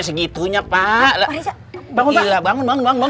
segitunya pak bangun bangun